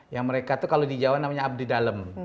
yang mereka tuh kalau di jawa namanya abdi dalem